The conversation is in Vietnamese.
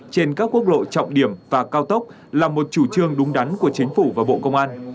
trên các quốc lộ trọng điểm và cao tốc là một chủ trương đúng đắn của chính phủ và bộ công an